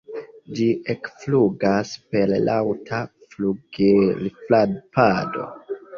Ĝi ekflugas per laŭta flugilfrapado.